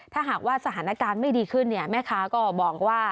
ถ้าหากว่าสถานการณ์ไม่ดีขึ้นเนี่ยแม่ค้าก็บอกว่า